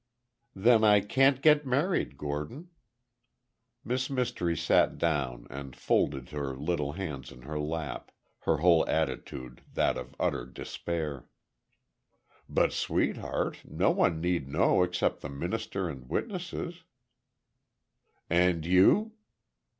"Then I can't get married, Gordon." Miss Mystery sat down and folded her little hands in her lap, her whole attitude that of utter despair. "But, Sweetheart, no one need know except the minister and witnesses—" "And you?"